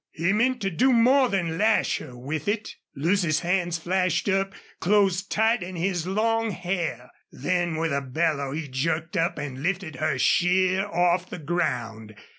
He meant to do more than lash her with it. Lucy's hands flashed up, closed tight in his long hair. Then with a bellow he jerked up and lifted her sheer off the ground.